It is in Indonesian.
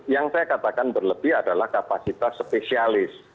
yang saya katakan berlebih adalah kapasitas spesialis